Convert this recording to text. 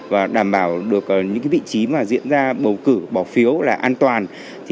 và đảm bảo được những vị trí mà diễn ra bầu cử bỏ phiếu là an toàn